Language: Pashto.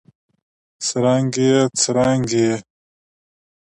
سرانګې ئې ، څرانګې ئې